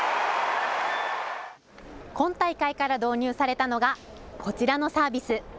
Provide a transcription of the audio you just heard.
今大会から導入されたのがこちらのサービス。